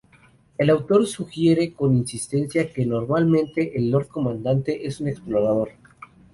El autor sugiere con insistencia que, normalmente, el Lord Comandante es un explorador.